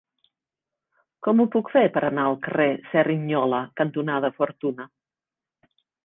Com ho puc fer per anar al carrer Cerignola cantonada Fortuna?